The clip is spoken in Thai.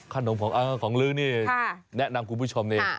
ขนมของลื้อนี่แนะนำกูผู้ชมนี่